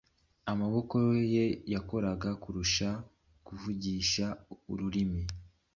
Amaboko ye yakoraga kurusha kuvugisha ururimi.